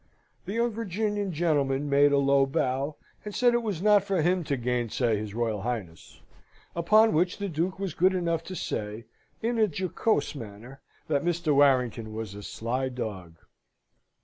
The young Virginian gentleman made a low bow, and said it was not for him to gainsay his Royal Highness; upon which the Duke was good enough to say (in a jocose manner) that Mr. Warrington was a sly dog.